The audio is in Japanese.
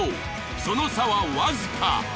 その差はわずか。